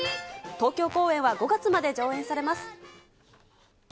東京公演は５月まで上演されます。